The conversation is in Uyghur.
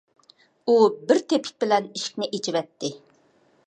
ئۇ بىر تېپىك بىلەن ئىشىكنى ئېچىۋەتتى.